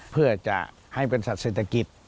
เพื่อจะให้เป็นสัตว์เศรษฐกิจ